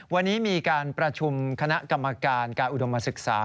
วันนี้มีการประชุมคณะกรรมการการอุดมศึกษา